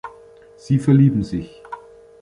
Sie verlieben sich.